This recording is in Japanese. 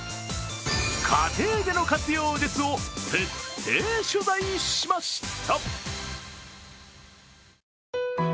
家庭での活用術を徹底取材しました。